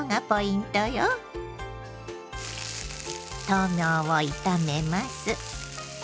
豆苗を炒めます。